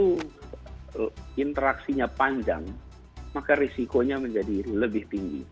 kalau interaksinya panjang maka risikonya menjadi lebih tinggi